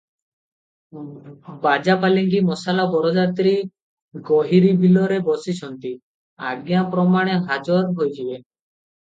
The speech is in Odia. ବାଜା ପାଲିଙ୍କି ମଶାଲ ବରଯାତ୍ରୀ ଗହୀରି ବିଲରେ ବସିଛନ୍ତି, ଆଜ୍ଞାପ୍ରମାଣେ ହାଜର ହୋଇଯିବେ ।"